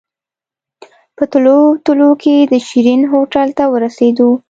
په تلو تلو کې د شيرين هوټل ته ورسېدو.